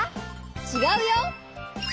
ちがうよ！